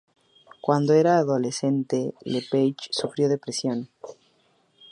Cuando era adolescente Lepage sufrió depresión.